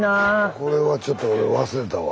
これはちょっと俺忘れたわ。